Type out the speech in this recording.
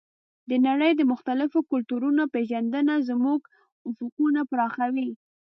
د نړۍ د مختلفو کلتورونو پېژندنه زموږ افقونه پراخوي.